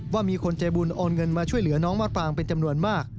ว่ามีคนใจบุญโอนเงินมาช่วยเหลือน้องมาปรางเป็นจำนวนมาก